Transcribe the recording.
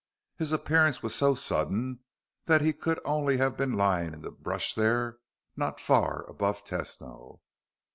His appearance was so sudden that he could only have been lying in the brush there, not far above Tesno.